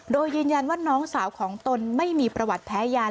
โดยยืนยันว่าน้องสาวของตนไม่มีประวัติแพ้ยา